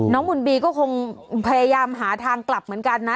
บุญบีก็คงพยายามหาทางกลับเหมือนกันนะ